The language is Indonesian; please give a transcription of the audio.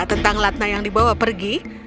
tentang ratna yang dibawa pergi